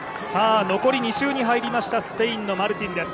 残り２周に入りましたスペインのマルティンです。